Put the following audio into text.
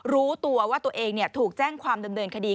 รู้ตัวว่าตัวเองถูกแจ้งความดำเนินคดี